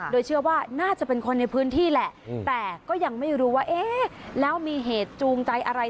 โดยเชื่อว่าน่าจะเป็นคนในพื้นที่แหละแต่ก็ยังไม่รู้ว่าเอ๊ะแล้วมีเหตุจูงใจอะไร